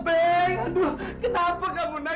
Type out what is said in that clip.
aduh kenapa kamu nay